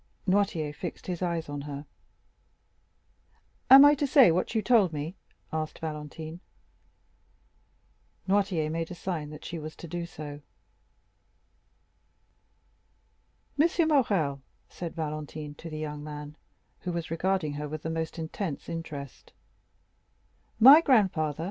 Noirtier fixed his eyes on her. "Am I to say what you told me?" asked Valentine. Noirtier made a sign that she was to do so. "Monsieur Morrel," said Valentine to the young man, who was regarding her with the most intense interest, "my grandfather, M.